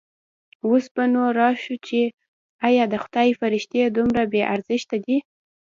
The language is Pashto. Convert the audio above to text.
اوس به نو راشو چې ایا د خدای فرښتې دومره بې ارزښته دي.